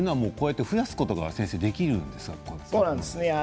増やすことができるんですね。